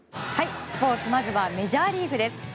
スポーツまずはメジャーリーグです。